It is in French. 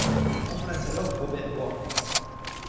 Il remplace alors Robert Work.